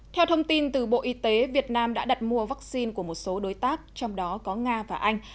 theo thông tin từ bộ y tế việt nam đã đặt mua vaccine của một số đối tác trong đó có nga và anh